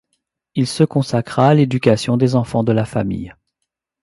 Il se consacra à l'éducation des enfants de la famille.